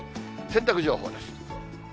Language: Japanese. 洗濯情報です。